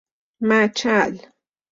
مچل